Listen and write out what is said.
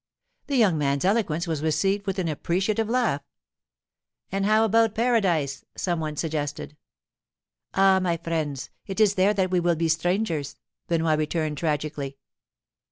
The young man's eloquence was received with an appreciative laugh. 'And how about paradise?' some one suggested. 'Ah, my friends, it is there that we will be strangers!' Benoit returned tragically.